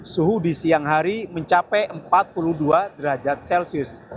suhu di siang hari mencapai empat puluh dua derajat celcius